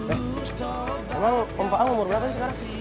eh emang om pa'am umur berapa sih sekarang